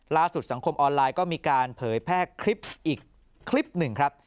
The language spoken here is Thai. ล่าสุดสังคมออนไลน์ก็มีการเผยแพร่คลิปอีกคลิป๑ครับ